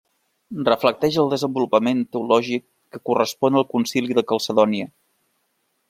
Reflecteix el desenvolupament teològic que correspon al Concili de Calcedònia.